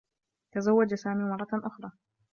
تزوّج سامي مرّة أخرى.